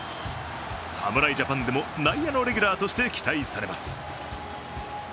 侍ジャパンでも、内野のレギュラーとして期待されます。